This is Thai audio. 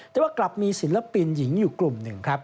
แต่ว่ากลับมีศิลปินหญิงอยู่กลุ่มหนึ่งครับ